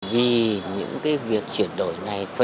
vì những việc chuyển đổi này